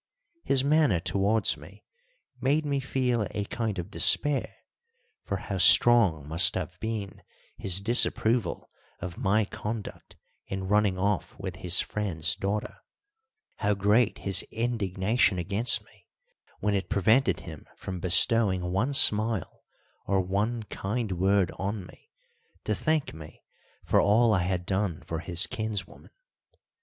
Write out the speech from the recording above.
His manner towards me made me feel a kind of despair, for how strong must have been his disapproval of my conduct in running off with his friend's daughter how great his indignation against me, when it prevented him from bestowing one smile or one kind word on me to thank me for all I had done for his kinswoman!